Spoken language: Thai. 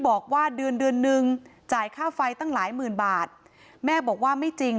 บอกว่าเดือนเดือนนึงจ่ายค่าไฟตั้งหลายหมื่นบาทแม่บอกว่าไม่จริง